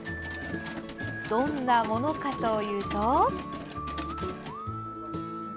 どんなものかというと。